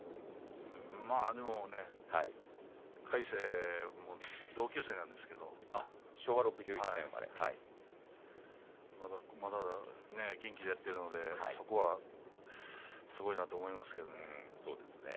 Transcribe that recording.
でも魁聖は同級生なんですが昭和６１年生まれまだ元気でやっているのでそこはすごいなと思いますね。